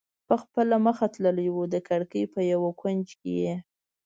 په خپله مخه تللی و، د کړکۍ په یو کونج کې یې.